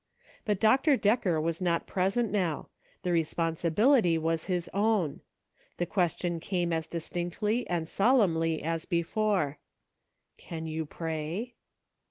But Dr. Decker was not present now ; the responsibility was his own. The question came as distinctly and solemnly as before :" Can you pray